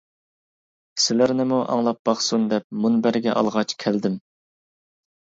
سىلەرنىمۇ ئاڭلاپ باقسۇن دەپ مۇنبەرگە ئالغاچ كەلدىم.